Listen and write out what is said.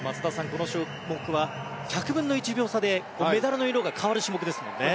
この種目は１００分の１秒差でメダルの色が変わる種目ですよね。